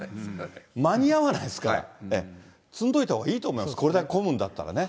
間に合わないですから、積んどいたほうがいいと思います、これだけ混むんだったらね。